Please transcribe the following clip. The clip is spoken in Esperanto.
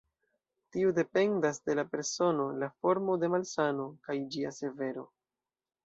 Tiu dependas de la persono, la formo de malsano, kaj ĝia severo.